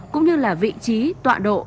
cũng như là vị trí tọa độ